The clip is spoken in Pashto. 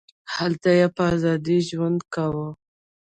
هلته یې په ازادۍ ژوند کاوه.